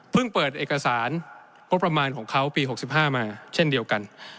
เปิดเอกสารงบประมาณของเขาปี๖๕มาเช่นเดียวกัน